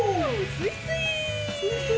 スイスイ！